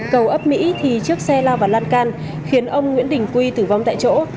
cầu ấp mỹ thì chiếc xe lao vào lan can khiến ông nguyễn đình quy tử vong tại chỗ